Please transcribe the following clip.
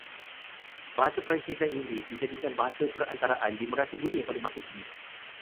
Bahasa Perancis dan Inggeris dijadikan bahasa perantaraan di merata dunia pada masa kini